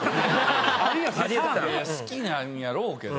好きなんやろうけど。